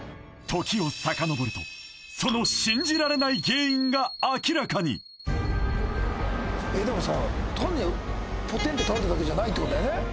時をさかのぼるとその信じられない原因が明らかにでもさ単にポテンと倒れただけじゃないってことだよね